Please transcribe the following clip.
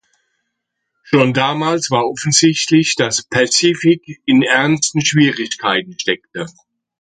Schon damals war offensichtlich, dass Pacific in ernsten Schwierigkeiten steckte.